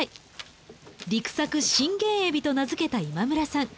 「陸作信玄えび」と名付けた今村さん。